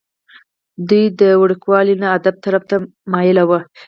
دوي د وړوکوالي نه ادب طرف ته مائله وو ۔